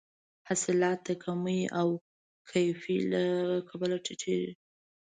حاصلات د کمې او کیفي له کبله ټیټیږي.